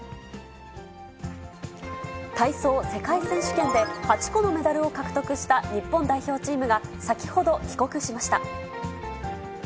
体操世界選手権で、８個のメダルを獲得した日本代表チームが、先ほど、帰国しました。